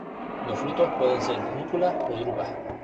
Los frutos pueden ser núculas o drupas.